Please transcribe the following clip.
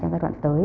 trong giai đoạn tới